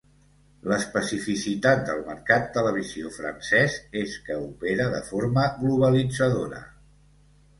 L'especificitat del mercat televisiu francès és que opera de forma globalitzadora.